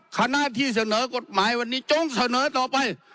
คณะที่เสนอกฎหมายวันนี้จงเสนอต่อไป